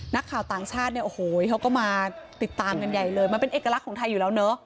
นักข่าวต่างชาติเนี่ยโอ้โหเขาก็มาติดตามกันใหญ่เลยมันเป็นเอกลักษณ์ของไทยอยู่แล้วเนอะ